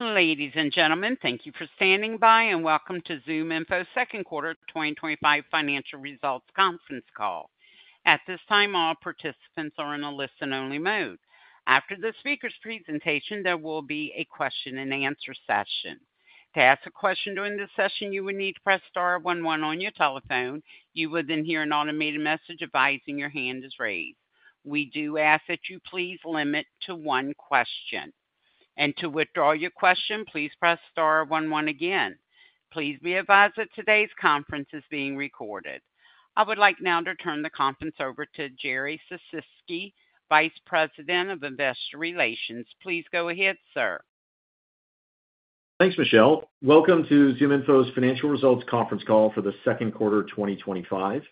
Ladies and gentlemen, thank you for standing by and welcome to ZoomInfo Second Quarter 2025 Financial Results Conference Call. At this time, all participants are in a listen-only mode. After the speaker's presentation, there will be a question and answer session. To ask a question during the session, you would need to press star one one on your telephone. You would then hear an automated message advising your hand is raised. We do ask that you please limit to one question, and to withdraw your question, please press star one one again. Please be advised that today's conference is being recorded. I would like now to turn the conference over to Jerry Sisitsky, Vice President of Investor Relations. Please go ahead, sir. Thanks, Michelle. Welcome to ZoomInfo's financial results conference call for the second quarter 2025.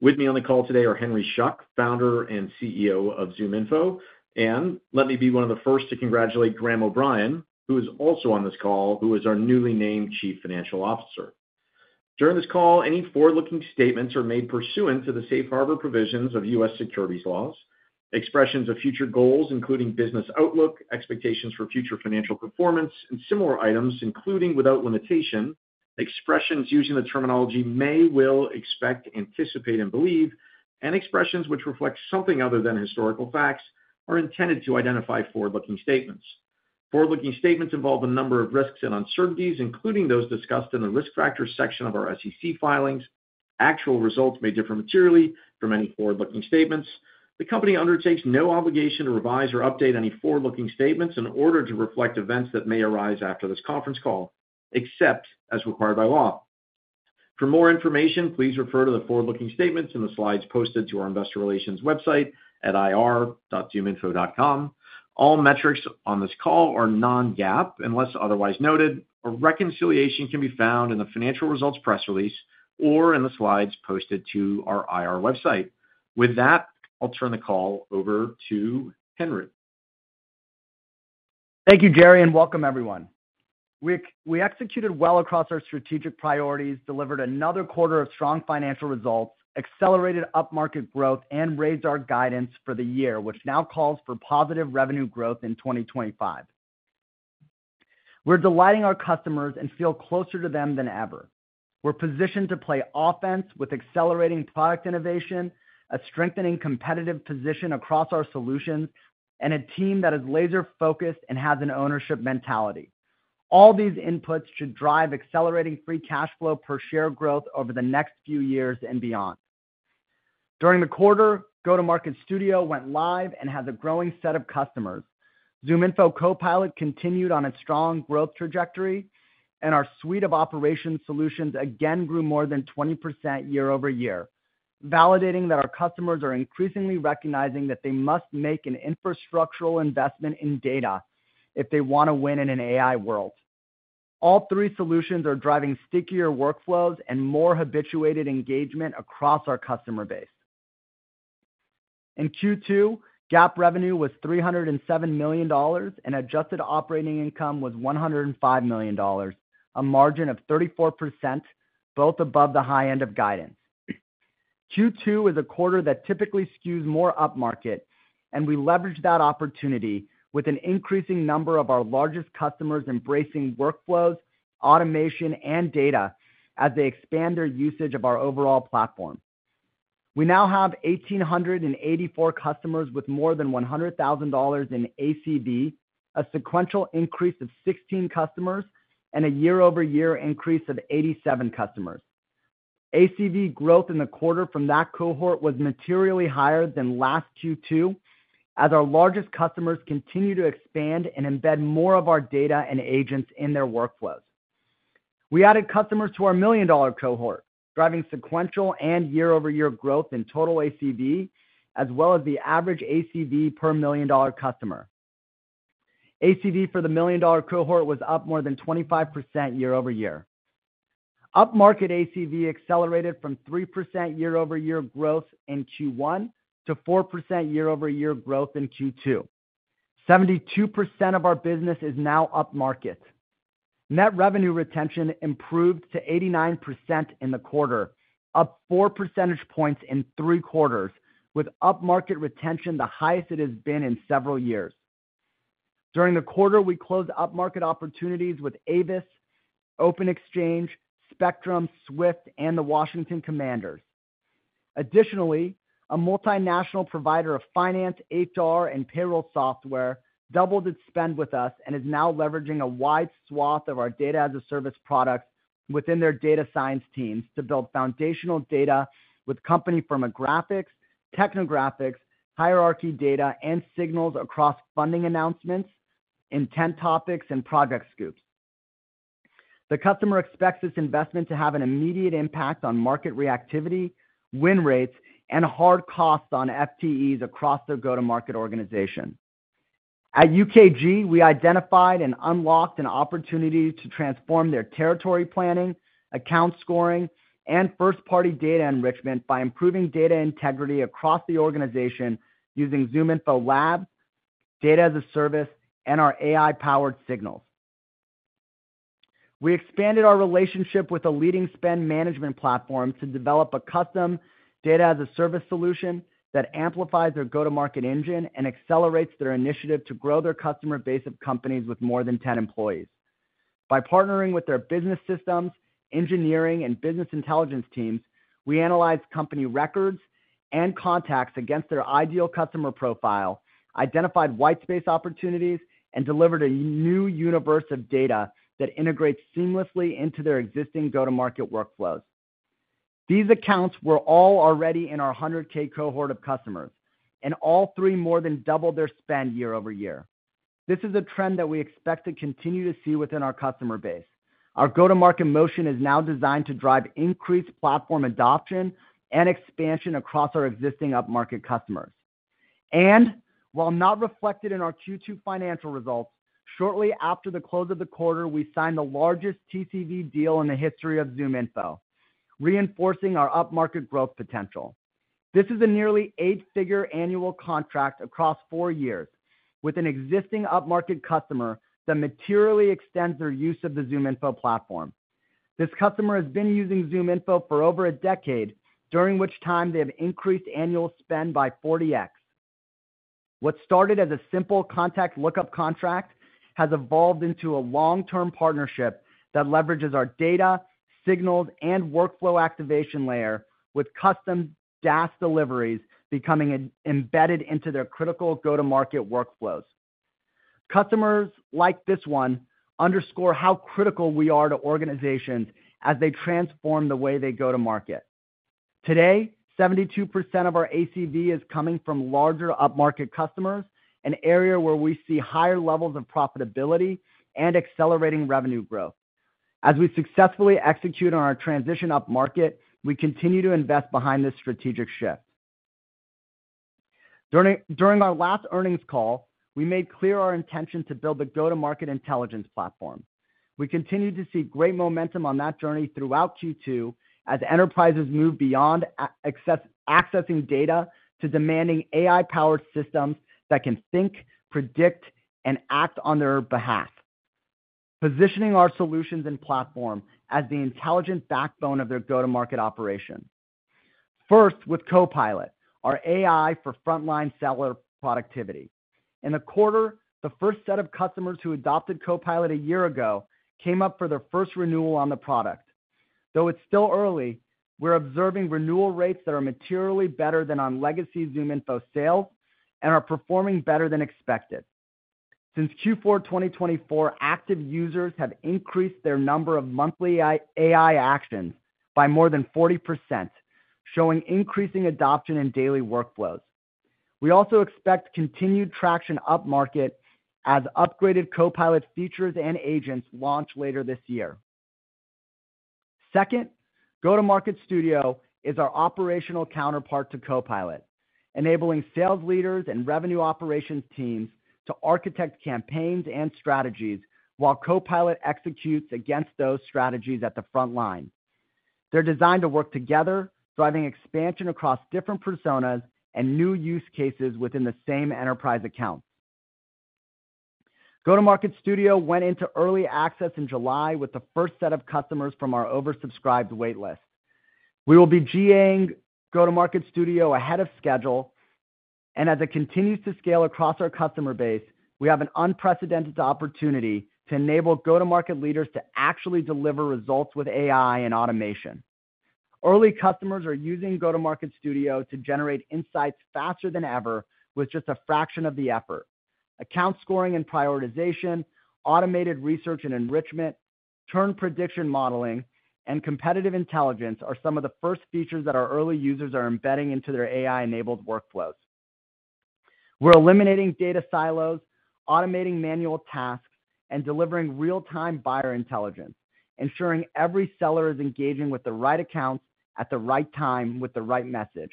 With me on the call today are Henry Schuck, Founder and CEO of ZoomInfo, and let me be one of the first to congratulate Graham O’Brien, who is also on this call, who is our newly named Chief Financial Officer. During this call, any forward-looking statements are made pursuant to the safe harbor provisions of U.S. securities laws. Expressions of future goals, including business outlook, expectations for future financial performance, and similar items including, without limitation, expressions using the terminology may, will, expect, anticipate, and believe, and expressions which reflect something other than historical facts, are intended to identify forward-looking statements. Forward-looking statements involve a number of risks and uncertainties, including those discussed in the risk factors section of our SEC filings. Actual results may differ materially from any forward-looking statements. The company undertakes no obligation to revise or update any forward-looking statements in order to reflect events that may arise after this conference call, except as required by law. For more information, please refer to the forward-looking statements in the slides posted to our investor relations website at ir.zoominfo.com. All metrics on this call are non-GAAP unless otherwise noted. A reconciliation can be found in the financial results press release or in the slides posted to our IR website. With that, I'll turn the call over to Henry. Thank you, Jerry, and welcome, everyone. We executed well across our strategic priorities, delivered another quarter of strong financial results, accelerated upmarket growth, and raised our guidance for the year, which now calls for positive revenue growth in 2025. We're delighting our customers and feel closer to them than ever. We're positioned to play offense with accelerating product innovation, a strengthening competitive position across our solutions, and a team that is laser focused and has an ownership mentality. All these inputs should drive accelerating free cash flow per share growth over the next few years and beyond. During the quarter, Go-To-Market Studio went live and has a growing set of customers. ZoomInfo Copilot continued on its strong growth trajectory, and our suite of operations solutions again grew more than 20% year-over-year, validating that our customers are increasingly recognizing that they must make an infrastructural investment in data if they want to win in an AI world. All three solutions are driving stickier workflows and more habituated engagement across our customer base. In Q2, GAAP revenue was $307 million, and adjusted operating income was $105 million, a margin of 34%, both above the high end of guidance. Q2 is a quarter that typically skews more upmarket, and we leveraged that opportunity with an increasing number of our largest customers embracing workflows, automation, and data as they expand their usage of our overall platform. We now have 1,884 customers with more than $100,000 in ACV, a sequential increase of 16 customers and a year-over-year increase of 87 customers. ACV growth in the quarter from that cohort was materially higher than last Q2 as our largest customers continue to expand and embed more of our data and agents in their workflows. We added customers to our million dollar cohort, driving sequential and year over year growth in total ACV as well as the average ACV per million dollar customer. ACV for the million dollar cohort was up more than 25% year-over-year. Upmarket ACV accelerated from 3% year-over-year growth in Q1 to 4% year-over-year growth in Q2. 72% of our business is now upmarket. Net revenue retention improved to 89% in the quarter, up 4 percentage points in three quarters, with upmarket retention the highest it has been in several years. During the quarter, we closed upmarket opportunities with Avis, Open Exchange, Spectrum, Swift, and the Washington Commanders. Additionally, a multinational provider of finance, HR, and payroll software doubled its spend with us and is now leveraging a wide swath of our data as a service product within their data science teams to build foundational data with company, firmographics, technographics, hierarchy data, and signals across funding announcements, intent topics, and project scoops. The customer expects this investment to have an immediate impact on market reactivity, win rates, and hard costs on FTEs across their go-to-market organization. At UKG, we identified and unlocked an opportunity to transform their territory planning, account scoring, and first-party data enrichment by improving data integrity across the organization using ZoomInfo data as a service and our AI-powered signals. We expanded our relationship with a leading spend management platform to develop a custom data as a service solution that amplifies their go-to-market engine and accelerates their initiative to grow their customer base of companies with more than 10 employees by partnering with their business systems engineering and business intelligence teams. We analyzed company records and contacts against their ideal customer profile, identified white space opportunities, and delivered a new universe of data that integrates seamlessly into their existing go-to-market workflows. These accounts were all already in our 100k cohort of customers, and all three more than doubled their spend year over year. This is a trend that we expect to continue to see within our customer base. Our go-to-market motion is now designed to drive increased platform adoption and expansion across our existing upmarket customers, and while not reflected in our Q2 financial results, shortly after the close of the quarter we signed the largest TCV deal in the history of ZoomInfo, reinforcing our upmarket growth potential. This is a nearly eight-figure annual contract across four years with an existing upmarket customer that materially extends their use of the ZoomInfo platform. This customer has been using ZoomInfo for over a decade, during which time they have increased annual spend by 40x. What started as a simple contact lookup contract has evolved into a long-term partnership that leverages our data signals and workflow activation layer, with custom DAS deliveries becoming embedded into their critical go-to-market workflows. Customers like this one underscore how critical we are to organizations as they transform the way they go to market. Today, 72% of our ACV is coming from larger upmarket customers, an area where we see higher levels of profitability and accelerating revenue growth as we successfully execute on our transition upmarket. We continue to invest behind this strategic shift. During our last earnings call, we made clear our intention to build the Go-To-Market Intelligence platform. We continue to see great momentum on that journey throughout Q2 as enterprises move beyond accessing data to demanding AI-powered systems that can think, predict, and act on their behalf, positioning our solutions and platform as the intelligent backbone of their go-to-market operation. First, with Copilot, our AI for frontline seller productivity in the quarter, the first set of customers who adopted Copilot a year ago came up for their first renewal on the product. Though it's still early, we're observing renewal rates that are materially better than on legacy ZoomInfo Sale and are performing better than expected. Since Q4 2024, active users have increased their number of monthly AI actions by more than 40%, showing increasing adoption and daily workflows. We also expect continued traction upmarket as upgraded Copilot features and agents launch later this year. Second, Go-To-Market Studio is our operational counterpart to Copilot, enabling sales leaders and revenue operations teams to architect campaigns and strategies. While Copilot executes against those strategies at the front line, they're designed to work together, driving expansion across different personas and new use cases within the same enterprise account. Go-To-Market Studio went into early access in July with the first set of customers from our oversubscribed wait list. We will be GA-ing Go-To-Market Studio ahead of schedule, and as it continues to scale across our customer base, we have an unprecedented opportunity to enable go-to-market leaders to actually deliver results with AI and automation. Early customers are using Go-To-Market Studio to generate insights faster than ever with just a fraction of the effort. Account scoring and prioritization, automated research and enrichment, churn prediction modeling, and competitive intelligence are some of the first features that our early users are embedding into their AI-enabled workflows. We're eliminating data silos, automating manual tasks, and delivering real-time buyer intelligence, ensuring every seller is engaging with the right account at the right time with the right message.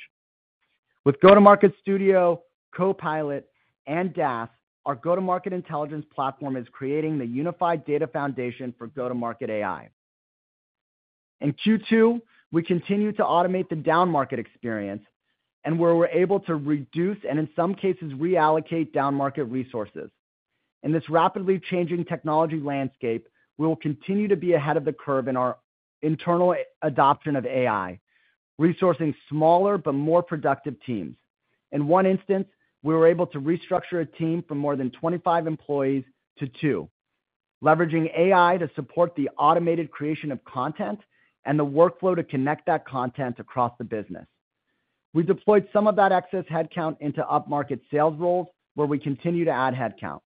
With Go-To-Market Studio, Copilot, and DAS, our Go-To-Market Intelligence platform is creating the unified data foundation for Go-To-market AI. In Q2, we continue to automate the downmarket experience and where we're able to reduce and in some cases reallocate downmarket resources. In this rapidly changing technology landscape, we will continue to be ahead of the curve in our internal adoption of AI, resourcing smaller but more productive teams. In one instance, we were able to restructure a team from more than 25 employees to two, leveraging AI to support the automated creation of content and the workflow to connect that content across the business. We deployed some of that excess headcount into upmarket sales roles where we continue to add headcount.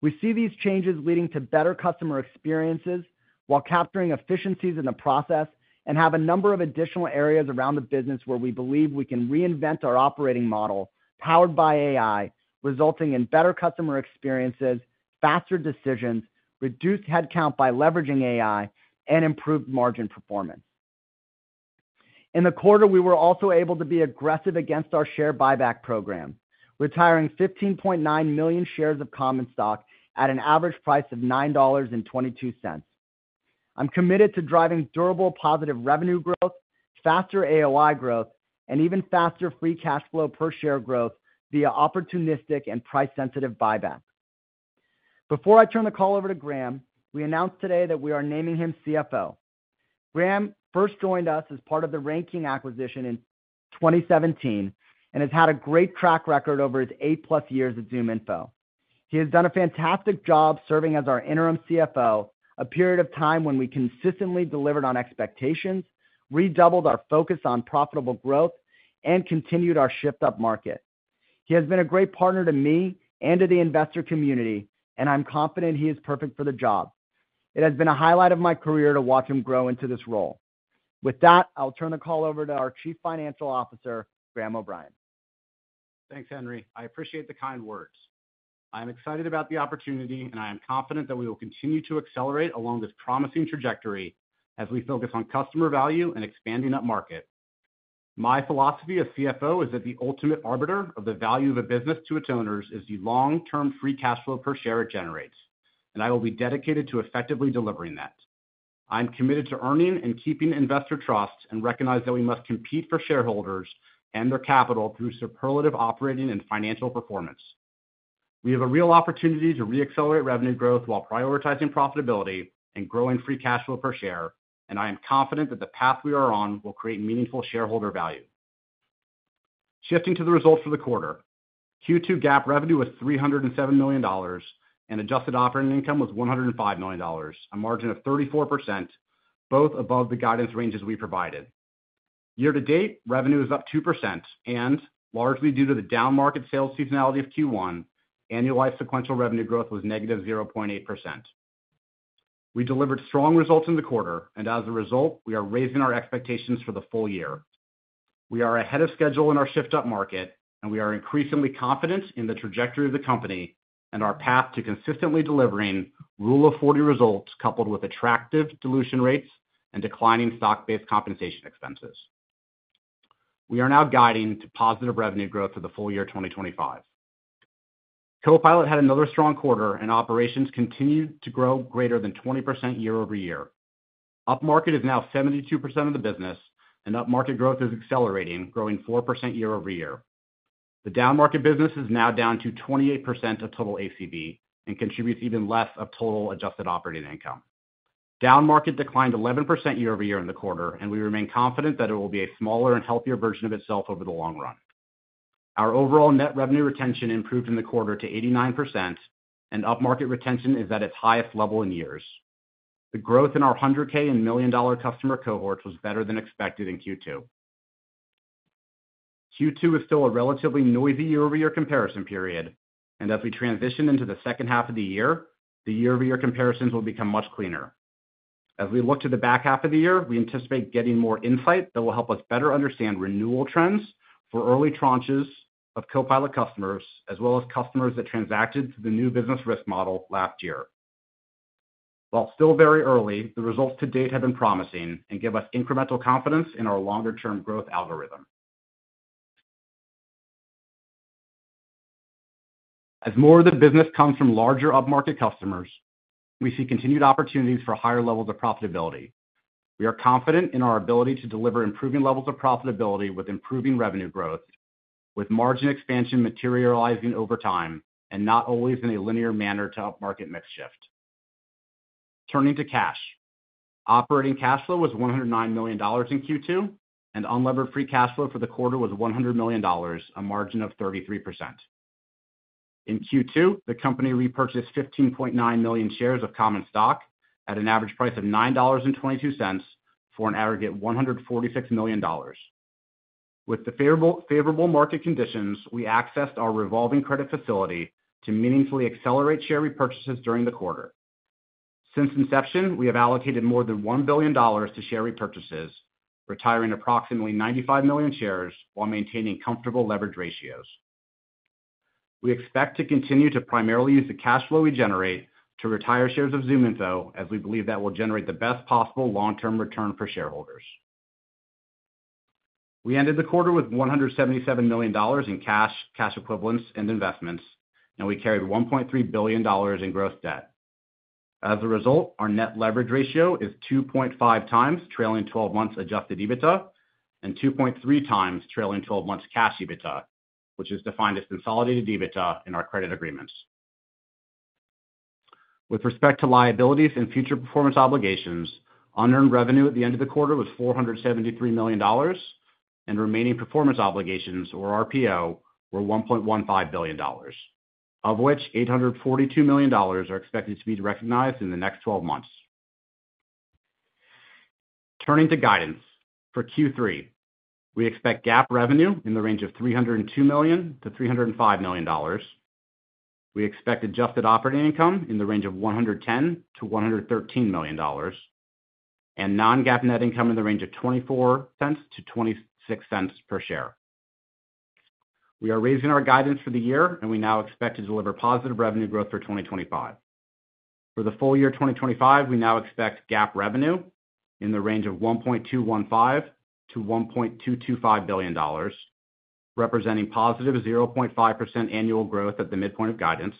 We see these changes leading to better customer experiences while capturing efficiencies in the process and have a number of additional areas around the business where we believe we can reinvent our operating model powered by AI, resulting in better customer experiences, faster decisions, reduced headcount by leveraging AI, and improved margin performance in the quarter. We were also able to be aggressive against our share buyback program, retiring 15.9 million shares of common stock at an average price of $9.22. I'm committed to driving durable positive revenue growth, faster AOI growth, and even faster free cash flow per share growth via opportunistic and price-sensitive buybacks. Before I turn the call over to Graham, we announced today that we are naming him Chief Financial Officer. Graham first joined us as part of the Ranking acquisition in 2017 and has had a great track record over his eight plus years at ZoomInfo. He has done a fantastic job serving as our interim Chief Financial Officer, a period of time when we consistently delivered on expectations, redoubled our focus on profitable growth, and continued our shift upmarket. He has been a great partner to me and to the investor community, and I'm confident he is perfect for the job. It has been a highlight of my career to watch him grow into this role. With that, I'll turn the call over to our Chief Financial Officer, Graham O’Brien. Thanks, Henry. I appreciate the kind words. I am excited about the opportunity, and I am confident that we will continue to accelerate along this promising trajectory as we focus on customer value and expanding upmarket. My philosophy as CFO is that the ultimate arbiter of the value of a business to its owners is the long-term free cash flow per share it generates, and I will be dedicated to effectively delivering that. I am committed to earning and keeping investor trust and recognize that we must compete for shareholders and their capital through superlative operating and financial performance. We have a real opportunity to reaccelerate revenue growth while prioritizing profitability and growing free cash flow per share, and I am confident that the path we are on will create meaningful shareholder value. Shifting to the results for the quarter, Q2 GAAP revenue was $307 million, and adjusted operating income was $105 million, a margin of 34%, both above the guidance ranges we provided year to date. Revenue is up 2%, and largely due to the downmarket sales seasonality of Q1, annual live sequential revenue growth was negative 0.8%. We delivered strong results in the quarter, and as a result, we are raising our expectations for the full year. We are ahead of schedule in our shift upmarket, and we are increasingly confident in the trajectory of the company and our path to consistently delivering rule of 40 results. Coupled with attractive dilution rates and declining stock-based compensation expenses, we are now guiding to positive revenue growth for the full year. 2025 Copilot had another strong quarter, and operations continued to grow greater than 20% year-over-year. Upmarket is now 72% of the business, and upmarket growth is accelerating, growing 4% year-over-year. The downmarket business is now down to 28% of total ACV and contributes even less of total adjusted operating income. Downmarket declined 11% year- over-year in the quarter, and we remain confident that it will be a smaller and healthier version of itself over the long run. Our overall net revenue retention improved in the quarter to 89%, and upmarket retention is at its highest level in years. The growth in our $100,000 and million dollar customer cohorts was better than expected in Q2. Q2 is still a relatively noisy year-over-year comparison period, and as we transition into the second half of the year, the year-over-year comparisons will become much cleaner. As we look to the back half of the year, we anticipate getting more insight that will help us better understand renewal trends. We for early tranches of Copilot customers as well as customers that transacted to the new business risk model last year. While still very early, the results to date have been promising and give us incremental confidence in our longer term growth algorithm. As more of the business comes from larger upmarket customers, we see continued opportunities for higher levels of profitability. We are confident in our ability to deliver improving levels of profitability with improving revenue growth with margin expansion materializing over time and not always in a linear manner to upmarket mix shift. Turning to cash, operating cash flow was $109 million in Q2 and unlevered free cash flow for the quarter was $100 million, a margin of 33%. In Q2, the company repurchased 15.9 million shares of common stock at an average price of $9.22 for an aggregate $146 million. With the favorable market conditions, we accessed our revolving credit facility to meaningfully accelerate share repurchases during the quarter. Since inception, we have allocated more than $1 billion to share repurchases, retiring approximately 95 million shares while maintaining comfortable leverage ratios. We expect to continue to primarily use the cash flow we generate to retire shares of ZoomInfo, as we believe that will generate the best possible long term return for shareholders. We ended the quarter with $177 million in cash, cash equivalents and investments and we carried $1.3 billion in gross debt. As a result, our net leverage ratio is 2.5x trailing twelve months adjusted EBITDA and 2.3x trailing twelve months cash EBITDA, which is defined as consolidated EBITDA in our credit agreements with respect to liabilities and future performance obligations. Unearned revenue at the end of the quarter was $473 million and remaining performance obligations or RPO were $1.15 billion, of which $842 million are expected to be recognized in the next 12 months. Turning to guidance for Q3, we expect GAAP revenue in the range of $302 million-$305 million. We expect adjusted operating income in the range of $110 million-$113 million and non-GAAP net income in the range of $0.24-$0.26 per share. We are raising our guidance for the year and we now expect to deliver positive revenue growth for 2025. For the full year 2025, we now expect GAAP revenue in the range of $1.215 billion-$1.225 billion, representing positive 0.5% annual growth at the midpoint of guidance.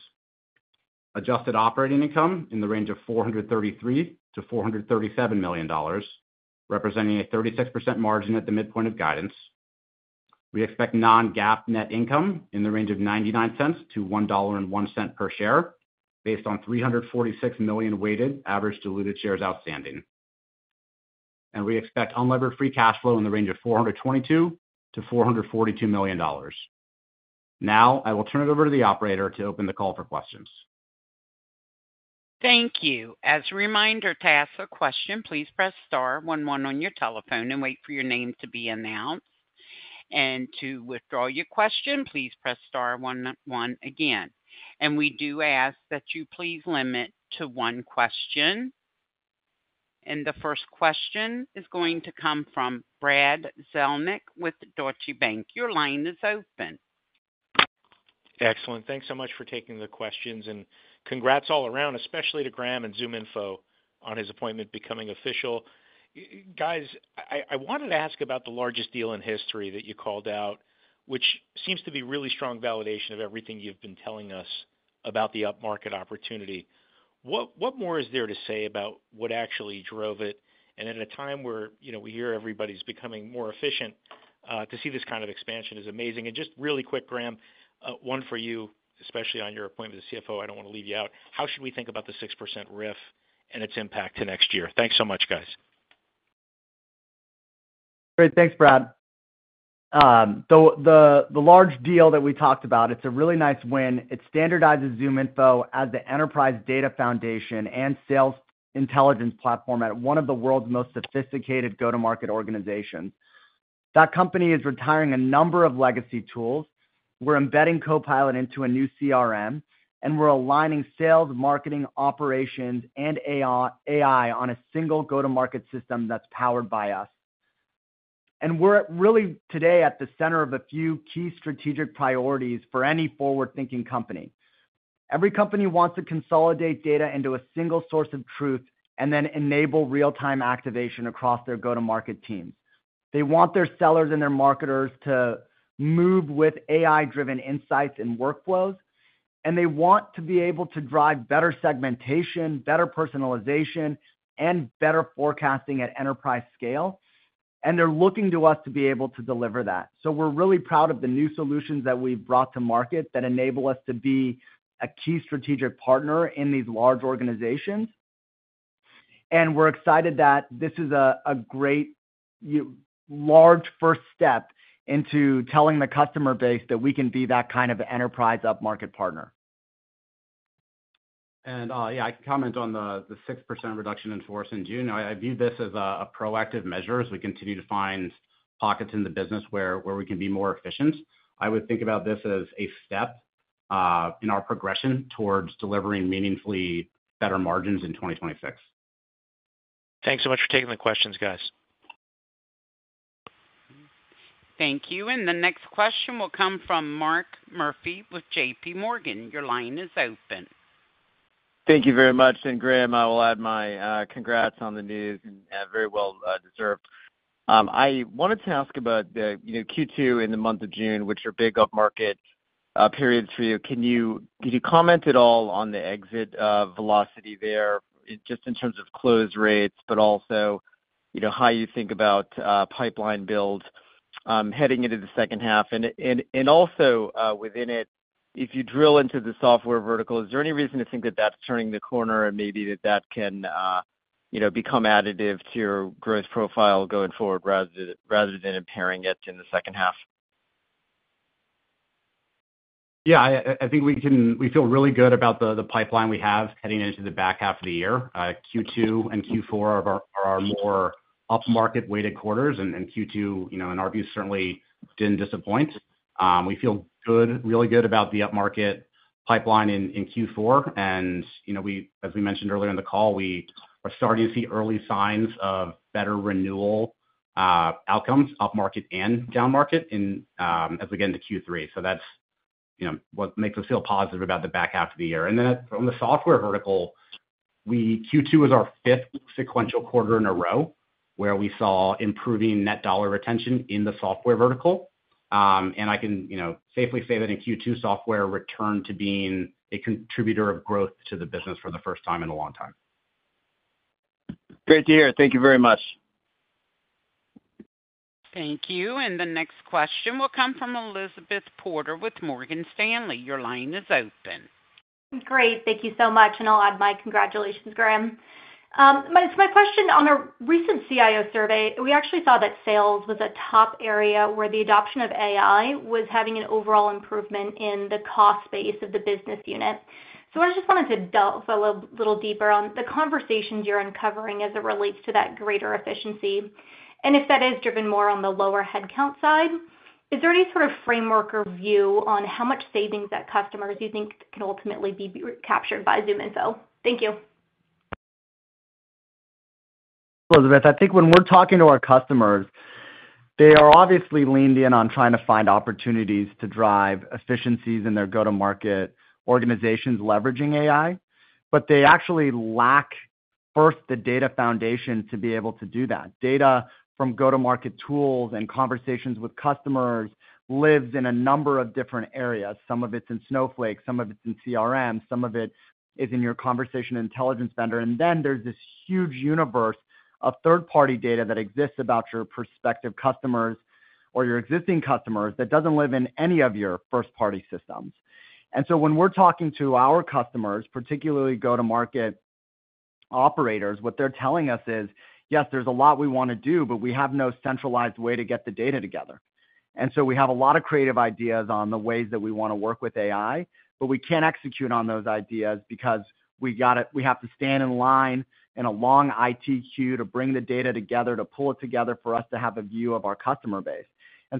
Adjusted operating income in the range of $433 million-$437 million, representing a 36% margin. At the midpoint of guidance, we expect non-GAAP net income in the range of $0.99-$1.01 per share, based on 346 million weighted average diluted shares outstanding. We expect unlevered free cash flow in the range of $422 million-$442 million. Now I will turn it over to the operator to open the call for questions. Thank you. As a reminder to ask a question, please press Star one one on your telephone and wait for your name to be announced. To withdraw your question, please press Star one one again. We do ask that you please limit to one question. The first question is going to come from Brad Zelnick with Deutsche Bank. Your line is open. Excellent. Thanks so much for taking the questions. And congrats all around, especially to Graham and ZoomInfo on his appointment becoming official. Guys, I wanted to ask about the largest deal in history that you called out, which seems to be really strong validation of everything you've been telling us about the upmarket opportunity. What more is there to say about what actually drove it? At a time where, you know, we hear everybody's becoming more efficient, to see this kind of expansion is amazing. Just really quick, Graham, one for you, especially on your appointment as CFO, I don't want to leave you out. How should we think about the 6% RIF and its impact to next year? Thanks so much, guys. Great. Thanks, Brad. The large deal that we talked about, it's a really nice win. It standardizes ZoomInfo as the enterprise foundation and sales intelligence platform at one of the world's most sophisticated Go-To-Market organizations. That company is retiring a number of legacy tools. We're embedding Copilot into a new CRM, and we're aligning sales, marketing, operations, and AI on a single Go-To-Market system that's powered by us. We're really today at the center of a few key strategic priorities for any forward-thinking company. Every company wants to consolidate data into a single source of truth and then enable real-time activation across their Go-To-Market teams. They want their sellers and their marketers to move with AI-driven insights and workflows, and they want to be able to drive better segmentation, better personalization, and better forecasting at enterprise scale. They're looking to us to be able to deliver that. We're really proud of the new solutions that we've brought to market that enable us to be a key strategic partner in these large organizations. We're excited that this is a great large first step into telling the customer base that we can be that kind of enterprise upmarket partner. I can comment on the 6% reduction in force in June. I view this as a proactive measure as we continue to find pockets in the business where we can be more efficient. I would think about this as a step in our progression towards delivering meaningfully better margins in 2026. Thanks so much for taking the questions, guys. Thank you. The next question will come from Mark Murphy with JPMorgan. Your line is open. Thank you very much. Graham, I will add my congrats on the news and very well deserved. I wanted to ask about Q2 in the month of June, which are big upmarket periods for you. Can you comment at all on the exit velocity there? Just in terms of close rates, also, how you think about pipeline build heading into the second half, and also within it, if you drill into the software vertical, is there any reason to think that that's turning the corner and maybe that that can, you know, become additive to your growth profile going forward rather than impairing it in the second half? Yeah, I think we can. We feel really good about the pipeline we have heading into the back half of the year. Q2 and Q4 are upmarket weighted quarters, and Q2, you know, in our view, certainly didn't disappoint. We feel good, really good about the upmarket pipeline in Q4. As we mentioned earlier in the call, we are starting to see early signs of better renewal outcomes upmarket and downmarket as we get into Q3. That's what makes us feel positive about the back half of the year. On the software vertical, Q2 was our fifth sequential quarter in a row where we saw improving net revenue retention in the software vertical. I can safely say that in Q2, software returned to being a contributor of growth to the business for the first time in a long time. Great to hear. Thank you very much. Thank you. The next question will come from Elizabeth Porter with Morgan Stanley. Your line is open. Great, thank you so much. I'll add my congratulations, Graham. My question on a recent CIO survey, we actually saw that sales was a top area where the adoption of AI was having an overall improvement in the cost base of the business unit. I just wanted to delve a little deeper on the conversations you're uncovering as it relates to that greater efficiency and if that is driven more on the lower headcount side, is there any sort of framework or view on how much savings that customers you think can ultimately be captured by ZoomInfo? Thank you. Elizabeth, I think when we're talking to our customers, they are obviously leaned in on trying to find opportunities to drive efficiencies in their Go-To-Market organizations leveraging AI, but they actually lack first the data foundation to be able to do that. Data from go-to-market tools and conversations with customers lives in a number of different areas. Some of it's in Snowflake, some of it's in CRM, some of it is in your conversation intelligence vendor. There is this huge universe of third-party data that exists about your prospective customers or your existing customers that doesn't live in any of your first-party systems. When we're talking to our customers, particularly go-to-market operators, what they're telling us is yes, there's a lot we want to do, but we have no centralized way to get the data together. We have a lot of creative ideas on the ways that we want to work with AI, but we can't execute on those ideas because we have to stand in line in a long IT queue to bring the data together, to pull it together for us to have a view of our customer base.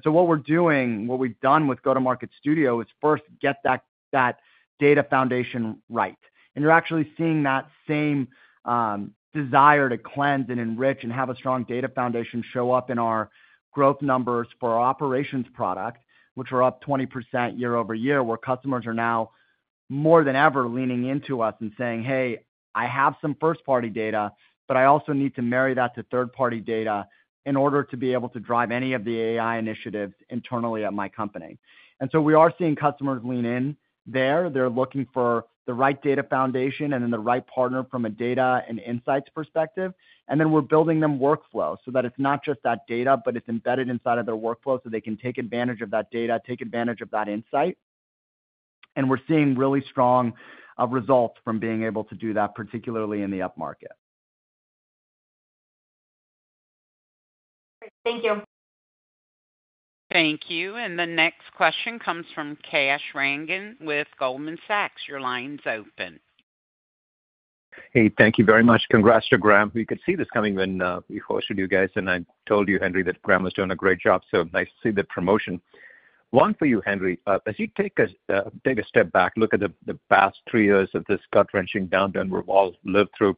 What we've done with Go-To-Market Studio is first get that data foundation right. You're actually seeing that same desire to cleanse and enrich and have a strong data foundation show up in our growth numbers for our operations solutions, which are up 20% year-over-year, where customers are now more than ever leaning into us and saying, hey, I have some first-party data, but I also need to marry that to third-party data in order to be able to drive any of the AI initiatives internally at my company. We are seeing customers lean in there. They're looking for the right data foundation and then the right partner from a data and insights perspective. We're building them workflow integration so that it's not just that data, but it's embedded inside of their workflow so they can take advantage of that data, take advantage of that insight. We're seeing really strong results from being able to do that, particularly in the upmarket. Thank you. Thank you. The next question comes from Kash Rangan with Goldman Sachs. Your line's open. Hey, thank you very much. Congrats to Graham. We could see this coming when we hosted you guys. I told you, Henry, that Graham was doing a great job. Nice to see the promotion. For you, Henry, as you take a step back, look at the past three years of this gut-wrenching downturn we've all lived through.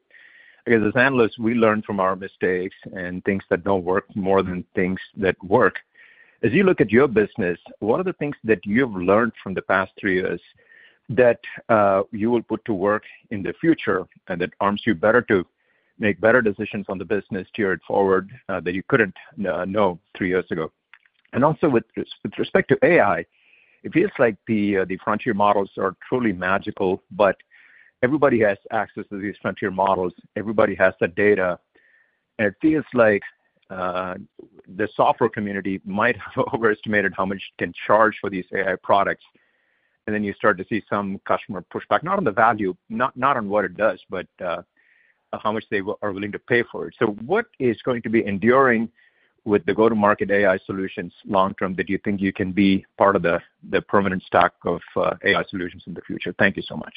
I guess as analysts, we learn from our mistakes and things that don't work more than things that work. As you look at your business, what are the things that you've learned from the past three years that you will put to work in the future and that arms you better to make better decisions on the business tiered forward that you couldn't know three years ago? Also, with respect to AI, it feels like the frontier models are truly magical, but everybody has access to these frontier models, everybody has the data. It feels like the software community might have overestimated how much can charge for these AI products. You start to see some customer pushback, not on the value, not on what it does, but how much they are willing to pay for it. What is going to be enduring with the Go-To-Market AI solutions long term that you think you can be part of the permanent stack of AI solutions in the future? Thank you so much.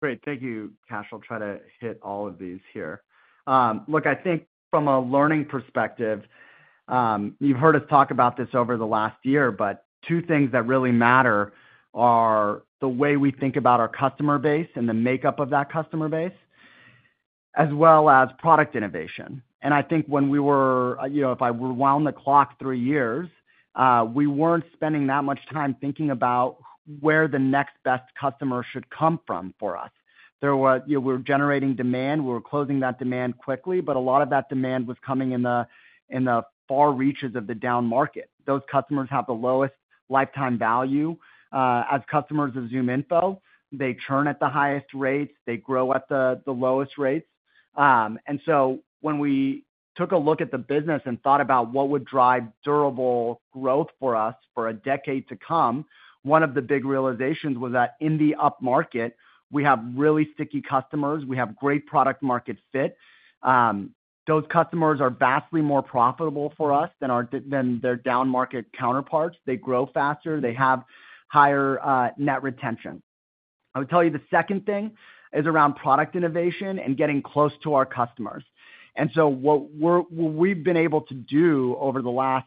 Great. Thank you. Kash. I'll try to hit all of these here. Look, I think from a learning perspective, you've heard us talk about this over the last year, but two things that really matter are the way we think about our customer base and the makeup of that customer base as well as product innovation. I think if I were around the clock three years, we weren't spending that much time thinking about where the next best customer should come from. For us, we were generating demand, we were closing that demand quickly, but a lot of that demand was coming in the far reaches of the downmarket. Those customers have the lowest lifetime value. As customers of ZoomInfo, they churn at the highest rates, they grow at the lowest rates. When we took a look at the business and thought about what would drive durable growth for us for a decade to come, one of the big realizations was that in the upmarket, we have really sticky customers. We have great product market fit. Those customers are vastly more profitable for us than their downmarket counterparts. They grow faster, they have higher net retention. I would tell you the second thing is around product innovation and getting close to our customers. What we've been able to do over the last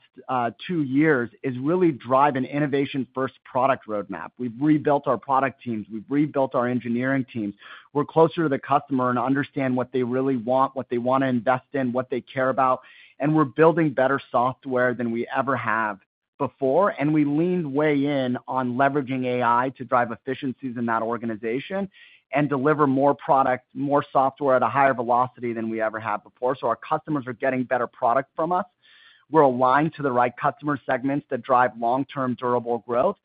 two years is really drive an innovation first product roadmap. We've rebuilt our product teams, we've rebuilt our engineering team. We're closer to the customer and understand what they really want, what they want to invest in, what they care about. We're building better software than we ever have before. We leaned way in on leveraging AI to drive efficiencies in that organization and deliver more product, more software at a higher velocity than we ever had before. Our customers are getting better product from us. We're aligned to the right customer segments that drive long term durable growth.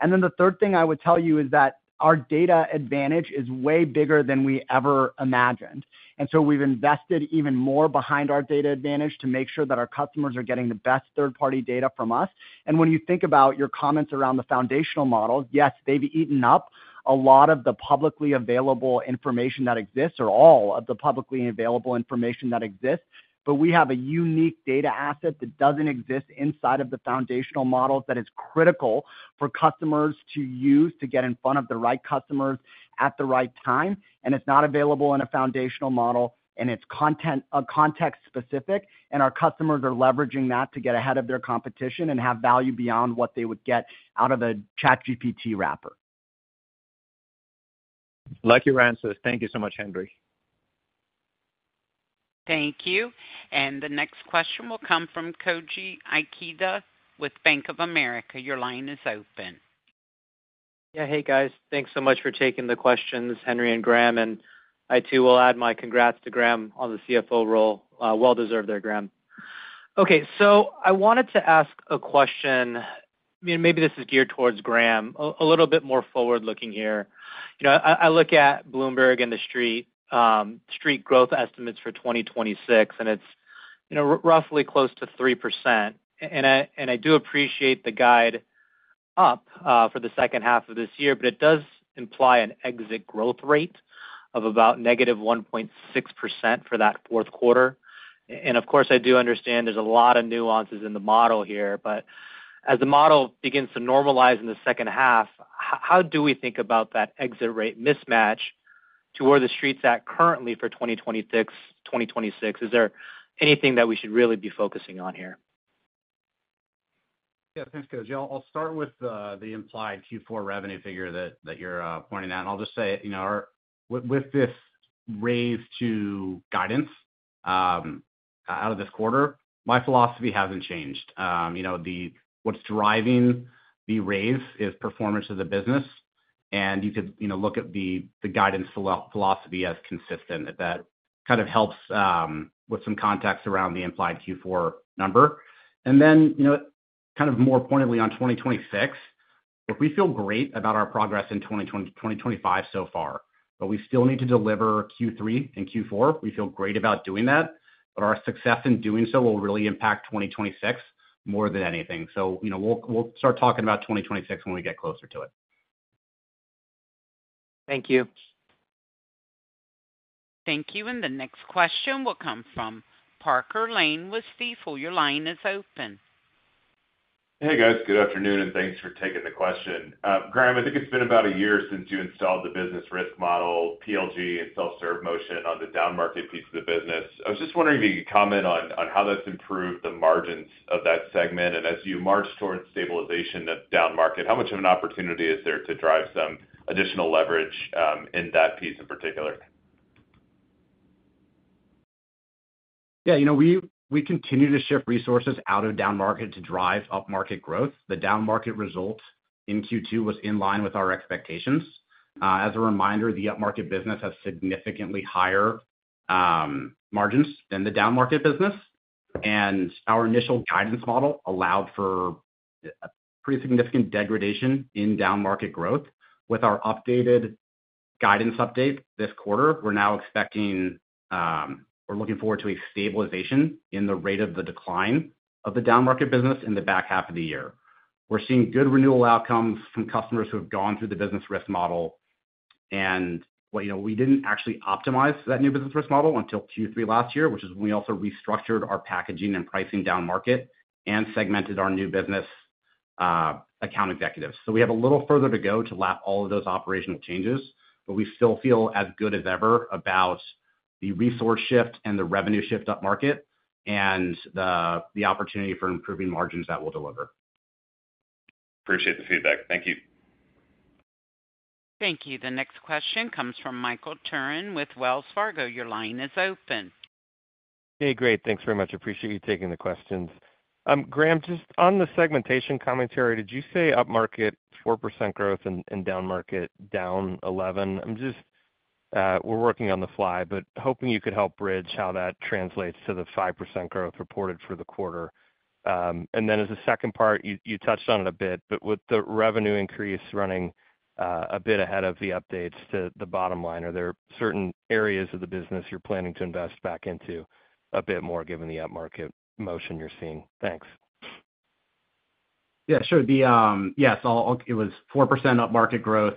The third thing I would tell you is that our data advantage is way bigger than we ever imagined. We've invested even more behind our data advantage to make sure that our customers are getting the best third party data from us. When you think about your comments around the foundational models, yes, they've eaten up a lot of the publicly available information that exists or all of the publicly available information that exists. We have a unique data asset that doesn't exist inside of the foundational models that is critical for customers to use to get in front of the right customers at the right time. It's not available in a foundational model. It's content context specific. Our customers are leveraging that to get ahead of their competition and have value beyond what they would get out of a ChatGPT wrapper. Like your answers. Thank you so much, Henry. Thank you. The next question will come from Koji Ikeda with Bank of America. Your line is open. Yeah. Hey guys, thanks so much for taking the questions, Henry and Graham, and I too will add my congrats to Graham on the CFO role. Well deserved there, Graham. Okay, I wanted to ask a question. Maybe this is geared towards Graham a little bit more forward looking here. I look at Bloomberg and the street growth estimates for 2026 and it's roughly close to 3%. I do appreciate the guide up. For the second half of this year. It does imply an exit growth rate of about -1.6% for that fourth quarter. I do understand there's a lot of nuances in the model here, but as the model begins to normalize in the second half. How do? We think about that exit rate mismatch to where the street's at currently for 2026. Is there anything that we should really be focusing on here? Yeah. Thanks, Koji. I'll start with the implied Q4 revenue figure that you're pointing out. I'll just say, you know, with this raise to guidance out of this quarter, my philosophy hasn't changed. What's driving the raise is performance of the business. You could look at the guidance philosophy as consistent. That kind of helps with some context around the implied Q4 number. You know, kind of more pointedly on 2026, look, we feel great about our progress in 2024, 2025 so far, but we still need to deliver Q3 and Q4. We feel great about doing that. Our success in doing so will really impact 2026 more than anything. We'll start talking about 2026 when we get closer to it. Thank you. Thank you. The next question will come from Parker Lane with Stifel. Your line is open. Hey guys, good afternoon and thanks for taking the question. Graham, I think it's been about a year since you installed the business risk model, PLG and self serve motion on the downmarket piece of the business. I was just wondering if you could comment on how that's improved the margins of that segment. As you march towards stabilization of that downmarket, how much of an opportunity is there to drive some additional leverage in that piece in particular? Yeah, you know, we continue to ship resources out of downmarket to drive upmarket growth. The downmarket result in Q2 was in line with our expectations. As a reminder, the upmarket business has significantly higher margins than the downmarket business. Our initial guidance model allowed for a pretty significant degradation in downmarket growth. With our updated guidance update this quarter, we're now expecting, we're looking forward to a stabilization in the rate of the decline of the downmarket business in the back half of the year. We're seeing good renewal outcomes from customers who have gone through the business risk model. We didn't actually optimize that new business risk model until Q3 last year, which is when we also restructured our packaging and pricing downmarket and segmented our new business account executives. We have a little further to go to lap all of those operational changes, but we still feel as good as ever about the resource shift and the revenue shift upmarket and the opportunity for improving margins that will deliver. Appreciate the feedback. Thank you. Thank you. The next question comes from Michael Turrin with Wells Fargo. Your line is open. Hey, great. Thanks very much. Appreciate you taking the questions. Graham, just on the segmentation commentary, did you say upmarket 4% growth and downmarket down 11%? I'm just, we're working on the fly, but hoping you could help bridge how that translates to the 5% growth reported for the quarter. As a second part, you touched on it a bit, but with the revenue increase running a bit ahead of the updates to the bottom line, are there certain areas of the business you're planning to invest back into a bit more, given the upmarket motion you're seeing? Thanks. Yeah, sure. Yes, it was 4% upmarket growth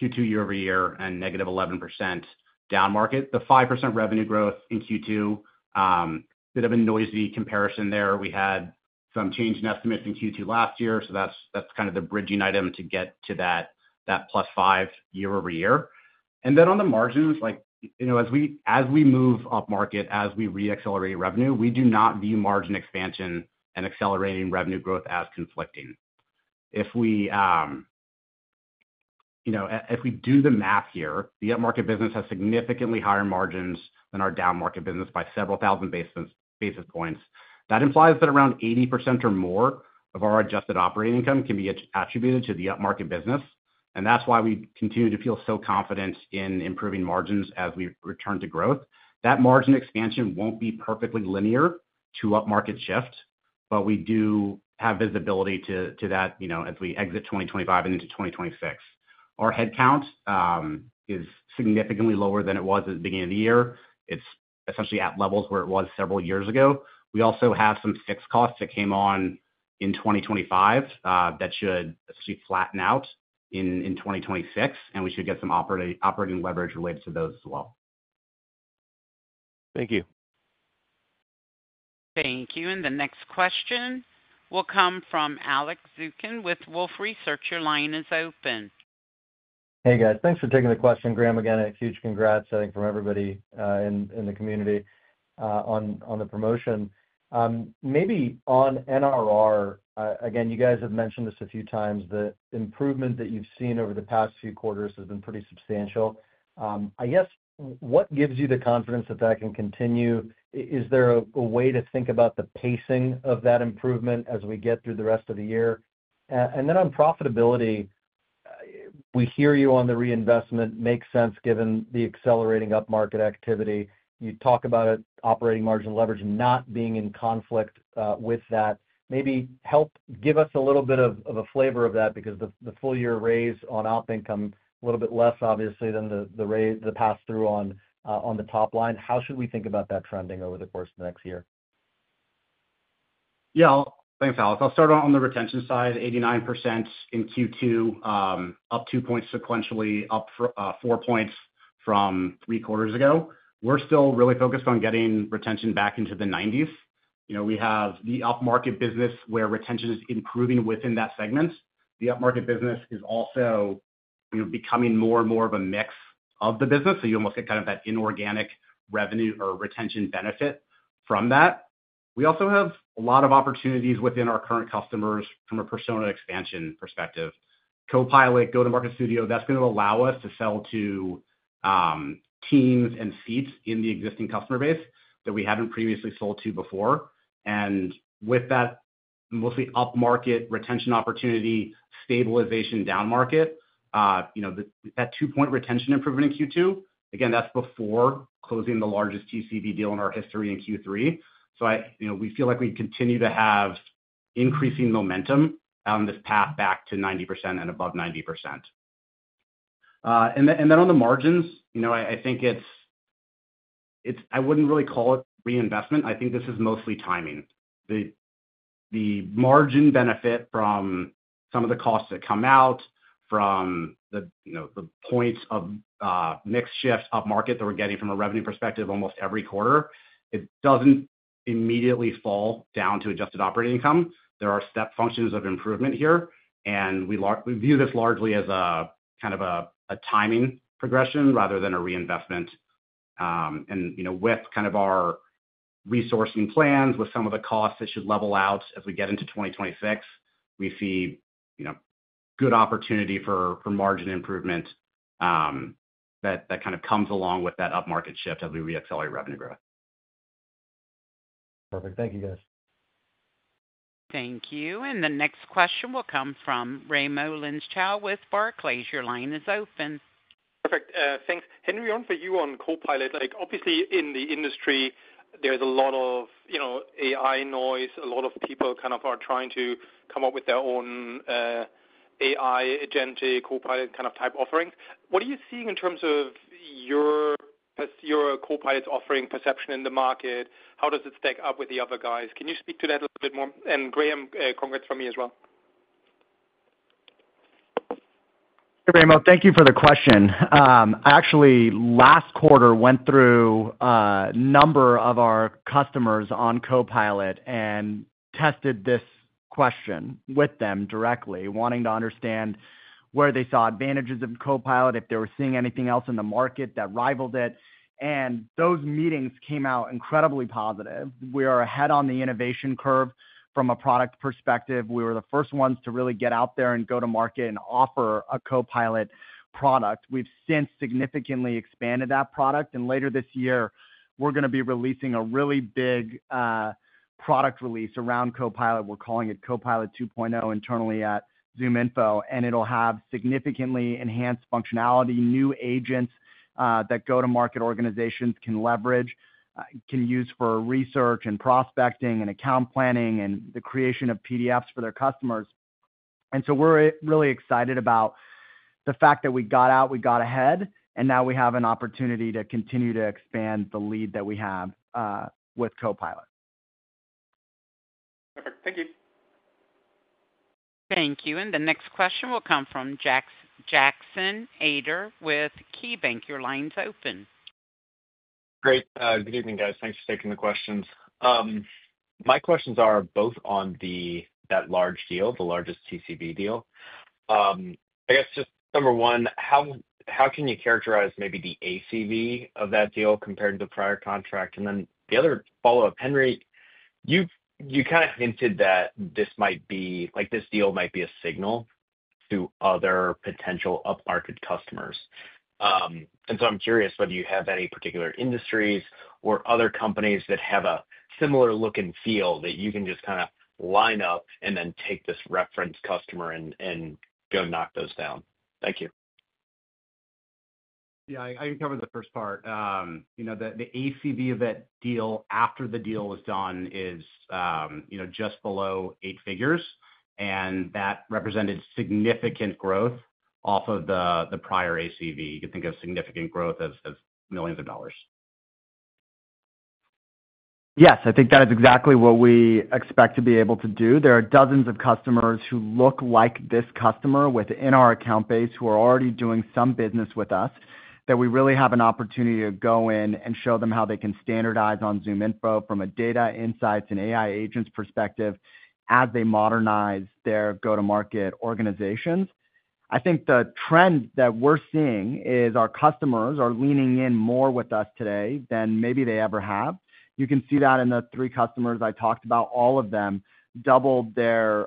Q2 year-over-year and -11% downmarket. The 5% revenue growth in Q2, bit of a noisy comparison there. We had some change in estimates in Q2 last year. That's kind of the bridging item to get to that plus five year-over-year. On the margins, as we move upmarket, as we reaccelerate revenue, we do not view margin expansion and accelerating revenue growth as conflicting. If we do the math here, the upmarket business has significantly higher margins than our downmarket business by several thousand basis points. That implies that around 80% or more of our adjusted operating income can be attributed to the upmarket business. That's why we continue to feel so confident in improving margins as we return to growth. That margin expansion won't be perfectly linear to upmarket shift, but we do have visibility to that as we exit 2025 and into 2026. Our headcount is significantly lower than it was at the beginning of the year. It's essentially at levels where it was several years ago. We also have some fixed costs that came on in 2025 that should flatten out in 2026, and we should get some operating leverage related to those as well. Thank you. The next question will come from Alex Zukin with Wolf Research. Your line is open. Hey guys, thanks for taking the question. Graham, again, a huge congrats, I think from everybody in the community on the promotion, maybe on NRR. Again, you guys have mentioned this a few times. The improvement that you've seen over the past few quarters has been pretty substantial, I guess. What gives you the confidence that that can continue? Is there a way to think about the pacing of that improvement as we get through the rest of the year? On profitability, we hear you on the reinvestment makes sense given the accelerating upmarket activity. You talk about it, operating margin leverage not being in conflict with that. Maybe help give us a little bit of a flavor of that, because the full year raise on operating income a little bit less obviously than the pass through on the top line. How should we think about that trending? Over the course of the next year? Yeah, thanks Alex. I'll start on the retention side. 89% in Q2, up 2 points sequentially, up 4 points from 3/4 ago. We're still really focused on getting retention back into the 90s. You know, we have the upmarket business where retention is improving. Within that segment, the upmarket business is also becoming more and more of a mix of the business. You almost get kind of that inorganic revenue or retention benefit from that. We also have a lot of opportunities within our current customers from a Persona expansion perspective. Copilot, Go-To-Market Studio, that's going to allow us to sell to teams and seats in the existing customer base that we haven't previously sold to before. With that mostly upmarket retention opportunity, stabilization downmarket, that 2 point retention improvement in Q2, again, that's before closing the largest TCV deal in our history in Q3. We feel like we continue to have increasing momentum on this path back to 90% and above 90%. On the margins, I think it's, I wouldn't really call it reinvestment. I think this is mostly timing, the margin benefit from some of the costs that come out from the points of mix shift of market that we're getting from a revenue perspective almost every quarter. It doesn't immediately fall down to adjusted operating income. There are step functions of improvement here and we view this largely as a kind of a timing progression rather than a reinvestment. With kind of our resourcing plans, with some of the costs that should level out as we get into 2026, we see good opportunity for margin improvement that kind of comes along with that upmarket shift as we accelerate revenue growth. Perfect. Thank you, guys. Thank you. The next question will come from Raimo Lenschow with Barclays. Your line is open. Thanks, Henry. On for you on Copilot. Obviously in the industry there's a lot of AI noise. A lot of people are trying to come up with their own AI agent, Copilot type offerings. What are you seeing in terms of your Copilot offering perception in the market? How does it stack up with the other guys? Can you speak to that a little bit more? Graham, congrats for me as well. Thank you for the question. Actually, last quarter went through number of our customers on Copilot, tested this question with them directly wanting to understand where they saw advantages of Copilot, if they were seeing anything else in the market that rivaled it. Those meetings came out incredibly positive. We are ahead on the innovation curve from a product perspective. We were the first ones to really get out there and go to market and offer a Copilot product. We've since significantly expanded that product, and later this year we're going to be releasing a really big product release around Copilot. We're calling it Copilot 2.0 internally at ZoomInfo. It'll have significantly enhanced functionality, new agents that go to market organizations. Can leverage, can use for research. Prospecting and account planning and the creation of PDFs for their customers. We’re really excited about the fact that we got out, we got ahead, and now we have an opportunity to continue to expand the lead that we have with Copilot. Thank you. Thank you. The next question will come from Jackson Ader with KeyBank. Your line's open. Great. Good evening guys. Thanks for taking the questions. My questions are both on that large deal, the largest TCV deal. I guess number one, how can you characterize maybe the ACV of that deal. Compared to the prior contract, and then. The other follow up? Henry, you kind of hinted that this might be like this deal might be a signal to other potential upmarket customers. I'm curious whether you have any particular industries or other companies that have a similar look and feel that you can just kind of line up and then take this reference customer and go knock those down. Thank you. Yeah, I can cover the first part. You know, the ACV of that deal after the deal was done is just below eight figures, and that represented significant growth off of the prior ACV. You could think of significant growth as millions of dollars. Yes, I think that is exactly what we expect to be able to do. There are dozens of customers who look like this customer within our account base who are already doing some business with us that we really have an opportunity to go in and show them how they can standardize on ZoomInfo from a data insights and AI agents perspective as they modernize their go-to-market organizations. I think the trend that we're seeing is our customers are leaning in more with us today than maybe they ever have. You can see that in the three customers I talked about. All of them doubled their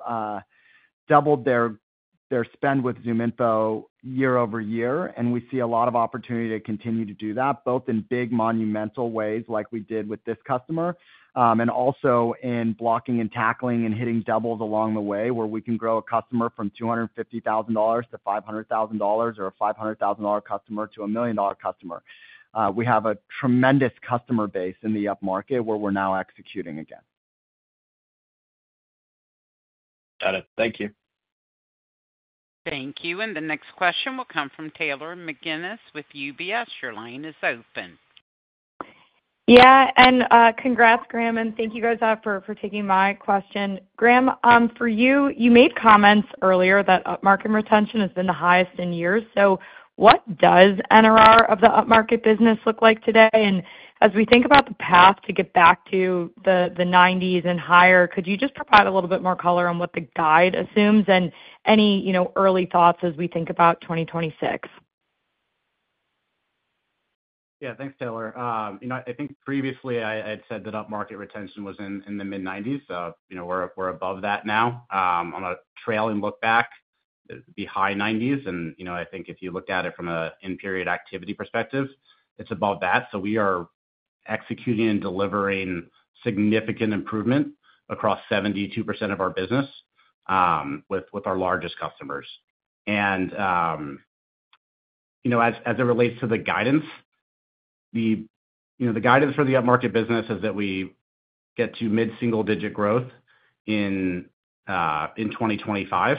spend with ZoomInfo year-over-year. We see a lot of opportunity to continue to do that both in big monumental ways like we did with this customer, and also in blocking and tackling and hitting doubles along the way where we can grow a customer from $250,000 to $500,000 or a $500,000 customer to a $1 million customer. We have a tremendous customer base in the upmarket where we're now executing against. Thank you. The next question will come from Taylor McGinnis with UBS. Your line is open. Yeah, and congrats Graham and thank you guys for taking my question. Graham, for you, you made comments earlier that upmarket retention has been the highest in years. What does NRR of the upmarket business look like today? As we think about the path to get back to the 90s and higher, could you just provide a bit more color on what the guide assumes and any early thoughts as we think about 2026? Yeah, thanks Taylor. I think previously I had said that upmarket retention was in the mid-90%. We're above that now on a trailing look back, the high 90%, and I think if you look at it from an in-period activity perspective, it's above that. We are executing and delivering significant improvement across 72% of our business with our largest customers. As it relates to the guidance, the guidance for the upmarket business is that we get to mid single-digit growth in 2025.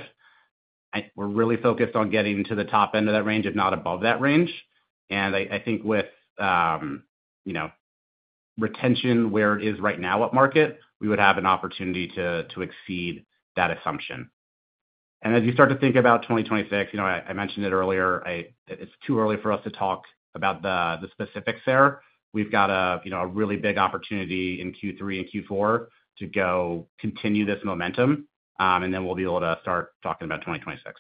We're really focused on getting to the top end of that range, if not above that range. I think with retention where it is right now at upmarket, we would have an opportunity to exceed that assumption. As you start to think about 2026, I mentioned it earlier, it's too early for us to talk about the specifics there. We've got a really big opportunity in Q3 and Q4 to continue this momentum, and then we'll be able to start talking about 2026.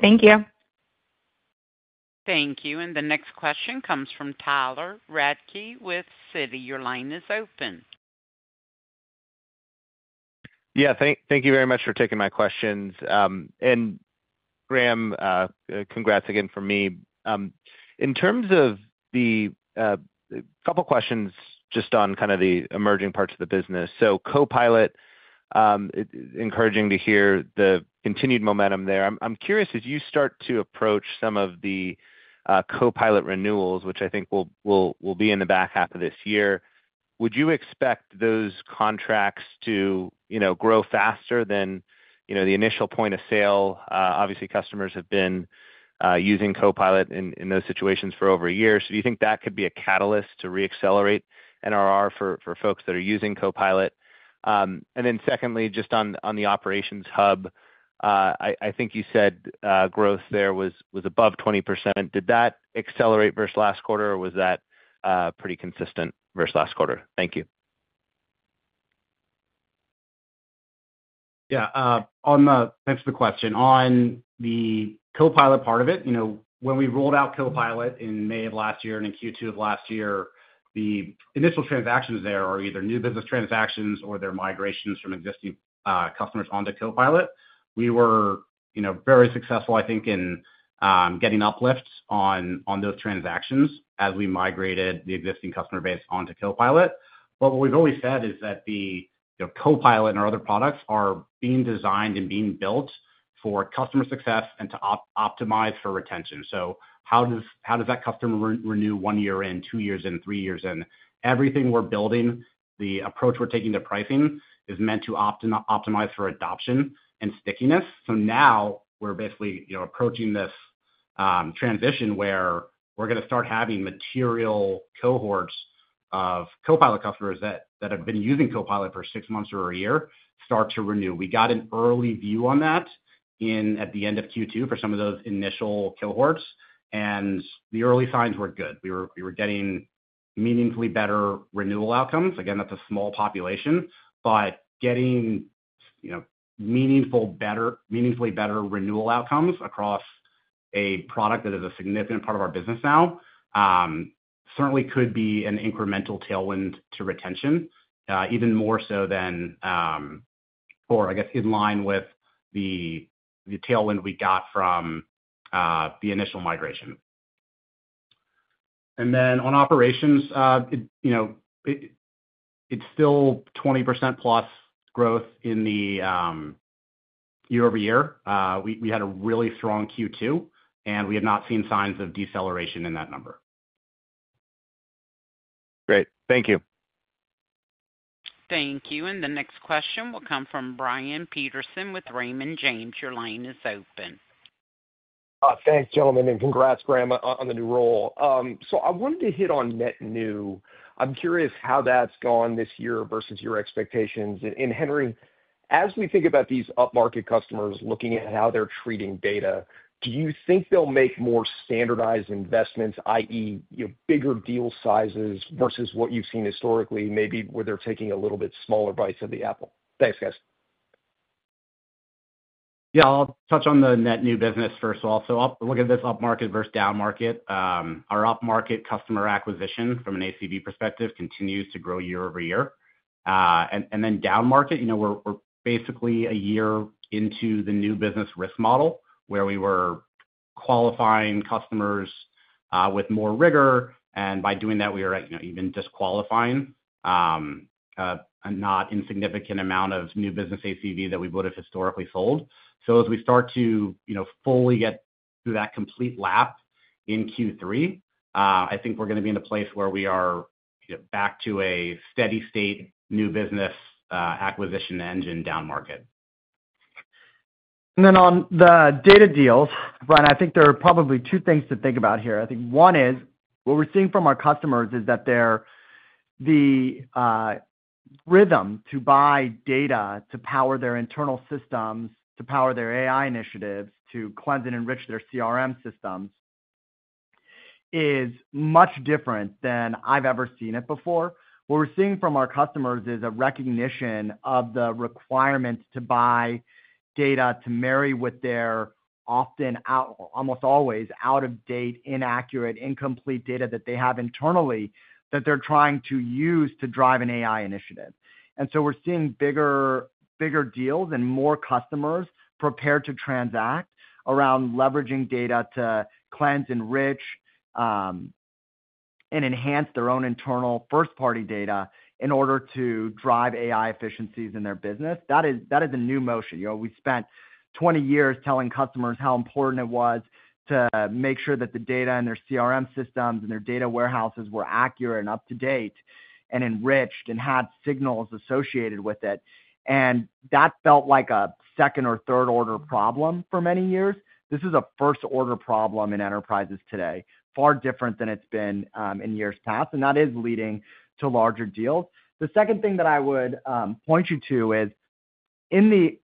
Thank you. The next question comes from Tyler Radke with Citi. Your line is open. Yeah, thank you very much for taking my questions. Graham, congrats again from me in terms of the couple questions just on kind of the emerging parts of the business. Copilot, encouraging to hear the continued momentum there. I'm curious, as you start to approach some of the Copilot renewals, which I think will be in the back half of this year, would you expect those contracts to grow faster than the initial point of sale? Obviously, customers have been using Copilot in those situations for over a year. Do you think that could be a catalyst to reaccelerate NRR for folks that are using Copilot? Secondly, just on the operations hub, I think you said growth there was above 20%. Did that accelerate versus last quarter or was that pretty consistent versus last quarter? Thank you. Yeah, to answer the question on the Copilot part of it, when we rolled out Copilot in May of last year and in Q2 of last year, the initial transactions, they are either new business transactions or they're migrations from existing customers onto Copilot. We were very successful, I think, in getting uplifts on those transactions as we migrated the existing customer base onto Copilot. What we've always said is that Copilot and our other products are being designed and being built for customer success and to optimize for retention. How does that customer renew one year, in two years, in three years? In everything we're building, the approach we're taking to pricing is meant to optimize for adoption and stickiness. Now we're basically approaching this transition where we're going to start having material cohorts of Copilot customers that have been using Copilot for six months or a year start to renew. We got an early view on that at the end of Q2 for some of those initial cohorts, and the early signs were good. We were getting meaningfully better renewal outcomes. Again, that's a small population, but getting meaningfully better renewal outcomes across a product that is a significant part of our business now certainly could be an incremental tailwind to retention, even more so than, or I guess in line with, the tailwind we got from the initial migration. On operations, it's still 20%+ growth year-over-year. We had a really strong Q2 and we have not seen signs of deceleration in that number. The next question will come from Brian Peterson with Raymond James. Your line is open. Thanks, gentlemen, and congrats, Graham, on the new role. I wanted to hit on net new. I'm curious how that's gone this year versus your expectations. Henry, as we think about these upmarket customers, looking at how they're treating data, do you think they'll make more standardized investments, that is, bigger deal sizes versus what you've seen historically? Maybe where they're taking a little bit smaller bites of the apple. Thanks, guys. I'll touch on the net new business first of all. Look at this upmarket versus downmarket. Our upmarket customer acquisition from an ACV perspective continues to grow year-over-year, and then downmarket, we're basically a year into the new business risk model where we were qualifying customers with more rigor, and by doing that, we are even disqualifying a not insignificant amount of new business ACV that we would have historically sold. As we start to fully get through that complete lap in Q3, I think we're going to be in a place where we are back to a steady state new business acquisition engine, downmarket. On the data deals, Brian, I think there are probably two things to think about here. One is what we're seeing from our customers is that the rhythm to buy data, to power their internal systems, to power their AI initiatives, to cleanse and enrich their CRM systems is much different than I've ever seen it before. What we're seeing from our customers is a recognition of the requirements to buy data, to marry with their often out, almost always out of date, inaccurate, incomplete data that they have internally that they're trying to use to drive an AI initiative. We're seeing bigger, bigger deals and more customers prepared to transact around leveraging data to cleanse, enrich, and enhance their own internal first party data in order to drive AI efficiencies in their business. That is a new motion. We spent 20 years telling customers how important it was to make sure that the data in their CRM systems and their data warehouses were accurate and up to date and enriched and had signals associated with it. That felt like a second or third order problem for many years. This is a first order problem in enterprises today, far different than it's been in years past. That is leading to larger deals. The second thing that I would point you to is in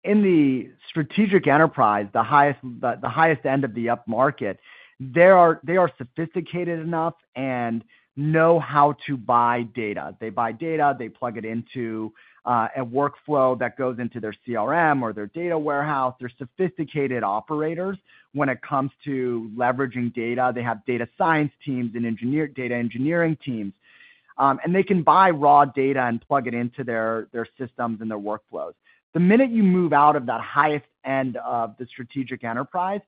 the strategic enterprise, the highest end of the upmarket, they are sophisticated enough and know how to buy data. They buy data, they plug it into a workflow that goes into their CRM or their data warehouse. They're sophisticated operators when it comes to leverage. They have data science teams and data engineering teams and they can buy raw data and plug it into their systems and their workflows. The minute you move out of that highest end of the strategic enterprise,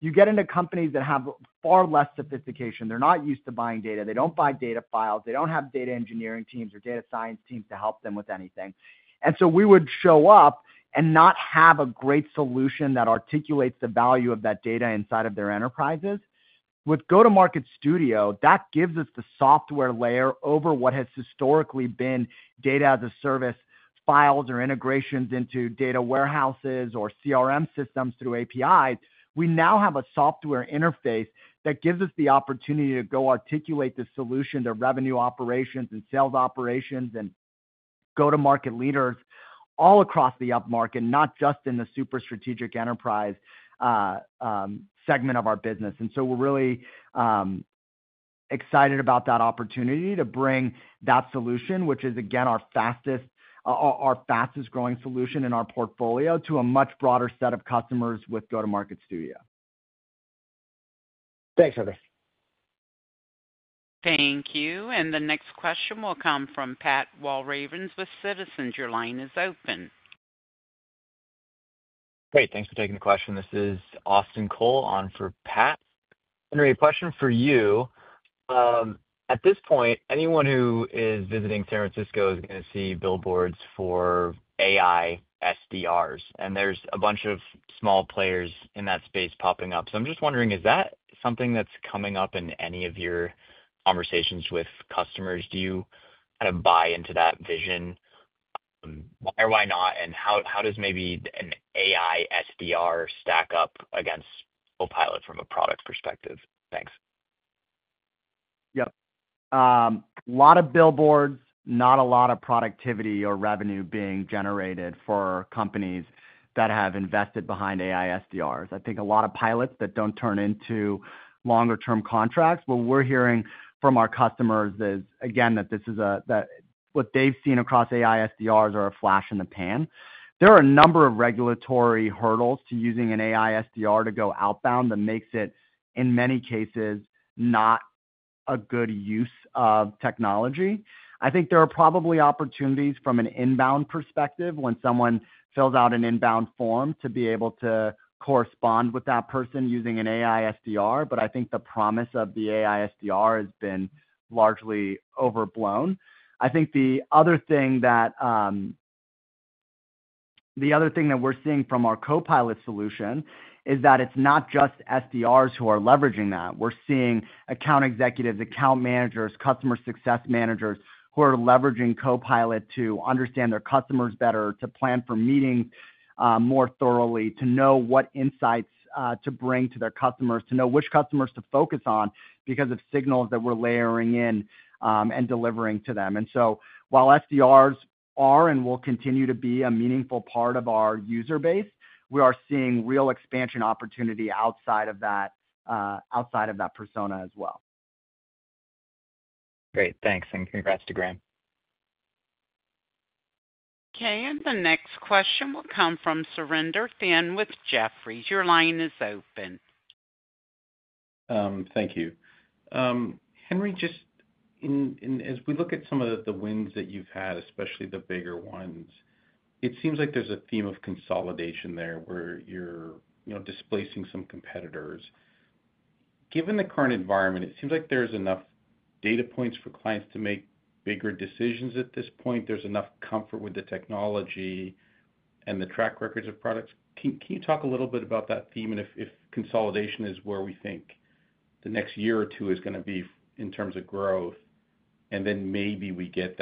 you get into companies that have far less sophistication. They're not used to buying data, they don't buy data files, they don't have data engineering teams or data science teams to help them with anything. We would show up and not have a great solution that articulates the value of that data inside of their enterprises. With Go-To-Market Studio, that gives us the software layer over what has historically been data as a service files or integrations into data warehouses or CRM systems through APIs. We now have a software interface that gives us the opportunity to go articulate the solution to revenue operations and sales operations and go-to-market leaders all across the upmarket, not just in the super strategic enterprise segment of our business. We're really excited about that opportunity to bring that solution, which is again our fastest growing solution in our portfolio, to a much broader set of customers with Go-To-Market Studio. Thanks, Henry. Thank you. The next question will come from Pat Walravens with Citizens. Your line is open. Great. Thanks for taking the question. This is Austin Cole on for Pat. Henry, a question for you. At this point, anyone who is visiting San Francisco is going to see billboards for AI SDRs, and there's a bunch of small players in that space popping up. I'm just wondering, is that something that's coming up in any of your conversations with customers? Do you kind of buy into that vision or why not? How does maybe an AI SBR stack up against Copilot from a product perspective? Thanks. Yep, lot of billboard. Not a lot of productivity or revenue being generated for companies that have invested behind AI SDRs. I think a lot of pilots that don't turn into longer term contracts. What we're hearing from our customers, again, is that what they've seen across AI SDRs are a flash in the pan. There are a number of regulatory hurdles to using an AI SDR to go outbound. That makes it in many cases not a good use of technology. I think there are probably opportunities from an inbound perspective when someone fills out an inbound form to be able to correspond with that person using an AI SDR. I think the promise of the AI SDR has been largely overblown. The other thing that we're seeing from our Copilot solution is that it's not just SDRs who are leveraging that. We're seeing account executives, account managers, customer success managers who are leveraging Copilot to understand their customers better, to plan for meetings more thoroughly, to know what insights to bring to their customers, to know which customers to focus on because of signals that we're layering in and delivering to them. While SDRs are and will continue to be a meaningful part of our user base, we are seeing real expansion opportunity outside of that persona as well. Great, thanks and congrats to Graham. Okay, the next question will come from Surinder Thind with Jefferies. Your line is open. Thank you, Henry. Just as we look at some of the wins that you've had, especially the bigger ones, it seems like there's a theme of consolidation there where you're displacing some competitors. Given the current environment, it seems like there's enough data points for clients to make bigger decisions at this point. There's enough comfort with the technology and the track records of products. Can you talk a little bit about that theme? If consolidation is where we think the next year or two is going to be in terms of growth, maybe we get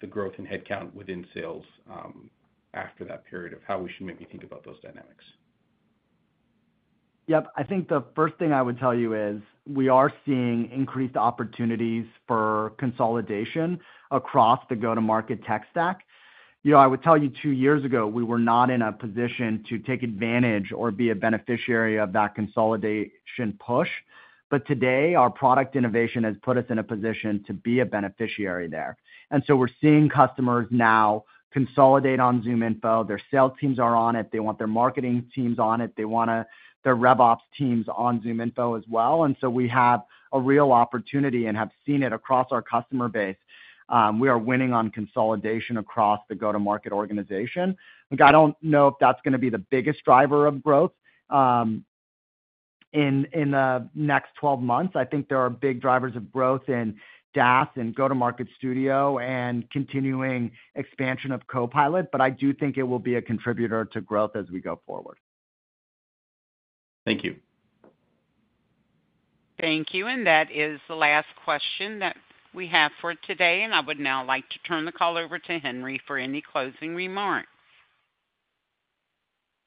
the growth in headcount within sales after that period, how should we maybe think about those dynamics? Yep. I think the first thing I would tell you is we are seeing increased opportunities for consolidation across the Go-To-Market tech stack. I would tell you, two years ago we were not in a position to take advantage or be a beneficiary of that consolidation push. Today our product innovation has put us in a position to be a beneficiary there. We are seeing customers now consolidate on ZoomInfo. Their sales teams are on it. They want their marketing teams on it. They want their rev ops teams on ZoomInfo as well. We have a real opportunity and have seen it across our customer base. We are winning on consolidation across the Go-To-Market organization. I don't know if that's going to be the biggest driver of growth in the next 12 months. I think there are big drivers of growth in DAS, Go-To-Market Studio, and continuing expansion of Copilot. I do think it will be a contributor to growth as we go forward. Thank you. Thank you. That is the last question that we have for today. I would now like to turn the call over to Henry for any closing remarks.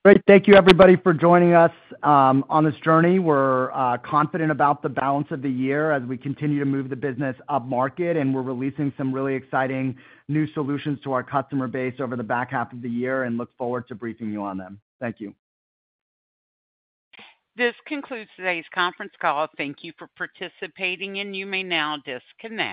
Great. Thank you, everybody, for joining us on this journey. We're confident about the balance of the year as we continue to move the business upmarket. We're releasing some really exciting new solutions to our customer base over the back half of the year and look forward to briefing you on them. Thank you. This concludes today's conference call. Thank you for participating. You may now disconnect.